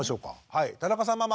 はい田中さんママ！